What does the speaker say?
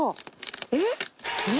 えっ！？